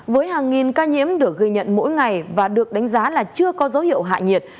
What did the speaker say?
với hàng nghìn ca nhiễm được ghi nhận mỗi ngày và được đánh giá là chưa có dấu hiệu hạ nhiệt